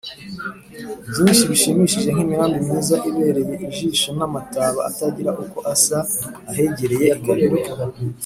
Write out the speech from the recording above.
byinshi bishimishije nk’imirambi myiza ibereye ijisho n’amataba atagira uko asa ahegereye i gabiro